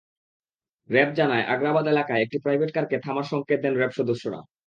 RAB জানায়, আগ্রাবাদ এলাকায় একটি প্রাইভেট কারকে থামার সংকেত দেন র্যাব সদস্যরা।